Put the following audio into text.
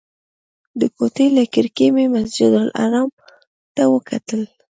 د کوټې له کړکۍ مې مسجدالحرام ته وکتل.